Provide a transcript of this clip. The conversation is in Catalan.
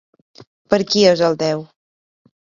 Per a qui és el deu?